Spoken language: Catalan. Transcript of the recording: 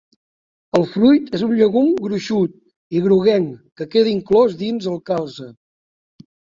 El fruit és un llegum gruixut i groguenc que queda inclòs dins el calze.